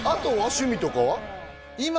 趣味とかは？